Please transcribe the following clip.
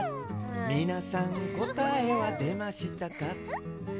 「みなさんこたえはでましたか？」